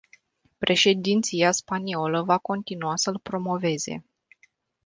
Președinția spaniolă va continua să-l promoveze.